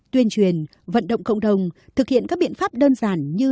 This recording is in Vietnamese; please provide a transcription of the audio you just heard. tuyên truyền vận động cộng đồng thực hiện các biện pháp đơn giản như